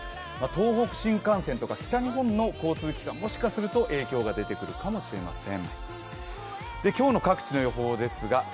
東北新幹線とか北日本の交通機関、もしかすると影響が出てくるかもしれません。